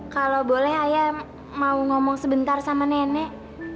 kalau boleh ayah mau ngomong sebentar sama nenek